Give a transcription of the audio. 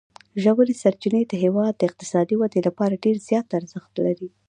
ژورې سرچینې د هېواد د اقتصادي ودې لپاره ډېر زیات ارزښت لري.